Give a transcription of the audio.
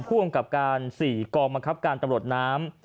ผู้องกับการสี่กองบังคับการตำรดน้ำ